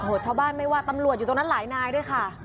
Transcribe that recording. ชาวบ้านไม่ว่าตำรวจอยู่ตรงนั้นหลายนายด้วยค่ะ